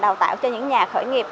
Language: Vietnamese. đào tạo cho những nhà khởi nghiệp